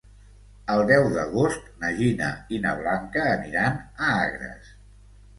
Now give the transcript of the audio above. El deu d'agost na Gina i na Blanca aniran a Agres.